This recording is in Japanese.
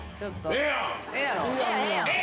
ええやろ。